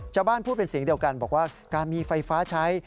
พูดเป็นเสียงเดียวกันบอกว่าการมีไฟฟ้าใช้